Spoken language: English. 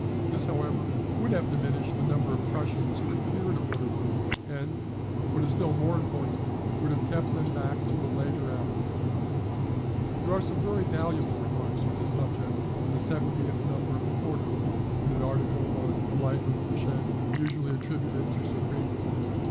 This, however, would have diminished the number of Prussians who appeared at Waterloo, and (what is still more important) would have kept them back to a later hour. See Siborne, vol i. p. 323, and Gleig, p. 142. There are some very valuable remarks on this subject in the 70th No. of the QUARTERLY in an article on the "Life of Blucher," usually attributed to Sir Francis Head.